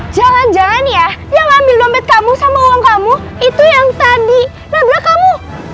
jangan jangan ya yang ambil dompet kamu sama uang kamu itu yang tadi nabrak kamu